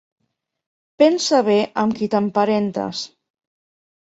Pensa bé amb qui t'emparentes!